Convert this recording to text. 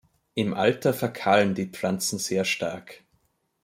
Im Alter verkahlen die Pflanzen sehr stark.